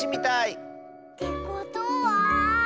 ってことは。